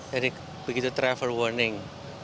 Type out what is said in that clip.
jadi begitu travel warning